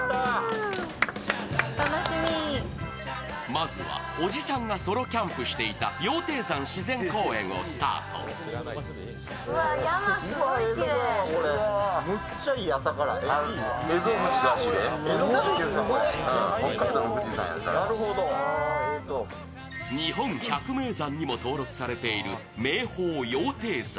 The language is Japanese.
まずはおじさんがソロキャンプしていた日本百名山にも登録されている名峰・羊蹄山。